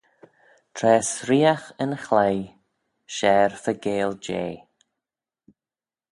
Tra s'reeagh yn chloie, share faagail jeh.